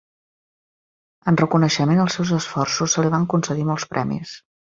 En reconeixement als seus esforços, se li van concedir molts premis.